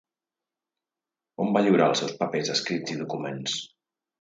On va lliurar els seus papers escrits i documents?